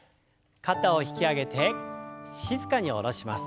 肩を引き上げて静かに下ろします。